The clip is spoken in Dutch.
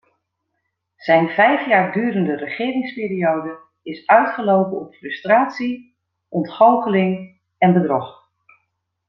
Zijn vijf jaar durende regeringsperiode is uitgelopen op frustratie, ontgoocheling en bedrog.